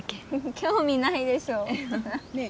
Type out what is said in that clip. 興味ないでしょねえ